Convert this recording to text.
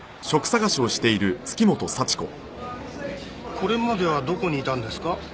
これまではどこにいたんですか？